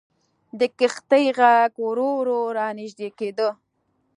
د کښتۍ ږغ ورو ورو را نژدې کېده.